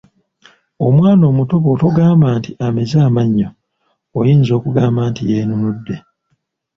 Omwana omuto bwotogamba nti ameze amannyo, oyinza okugamba nti yenenudde.